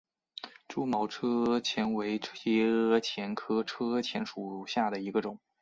蛛毛车前为车前科车前属下的一个种。